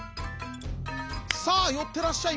「さあよってらっしゃい。